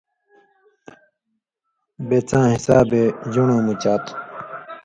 بے څاں حسابے ژُن٘ڑوں مُچاتھہ،